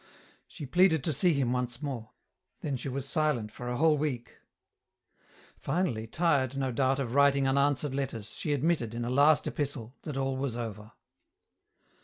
She pleaded to see him once more. Then she was silent for a while week. Finally, tired, no doubt, of writing unanswered letters, she admitted, in a last epistle, that all was over.